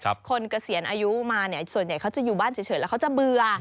เกษียณอายุมาเนี่ยส่วนใหญ่เขาจะอยู่บ้านเฉยแล้วเขาจะเบื่อ